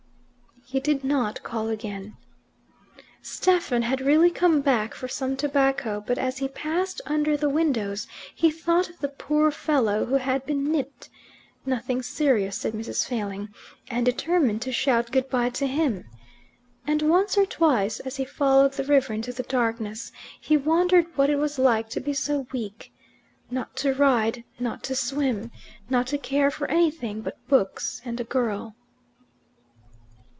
He did not call again. Stephen had really come back for some tobacco, but as he passed under the windows he thought of the poor fellow who had been "nipped" (nothing serious, said Mrs. Failing), and determined to shout good bye to him. And once or twice, as he followed the river into the darkness, he wondered what it was like to be so weak, not to ride, not to swim, not to care for anything but books and a girl.